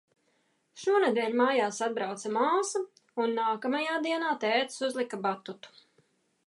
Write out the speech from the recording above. Šonedēļ mājās atbrauca māsa un nākamajā dienā tētis uzlika batutu.